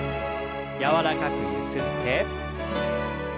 柔らかくゆすって。